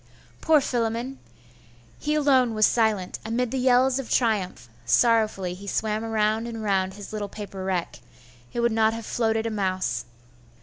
Poor Philammon! He alone was silent, amid the yells of triumph; sorrowfully he swam round and round his little paper wreck.... it would not have floated a mouse.